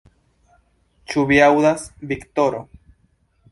Ĉu vi aŭdas, Viktoro?